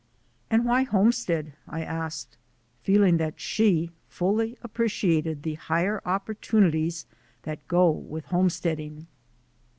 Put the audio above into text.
"And why homestead?" I asked, feeling that she fully appreciated the higher opportunities that go with homesteading.